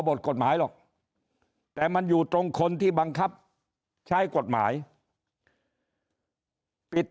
บทกฎหมายหรอกแต่มันอยู่ตรงคนที่บังคับใช้กฎหมายปิด